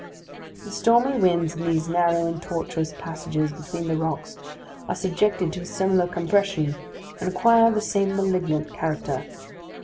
The stormy winds in these narrow and tortuous passages between the rocks are subjected to a similar compression, and acquire the same malignant character.